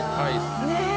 ねえ！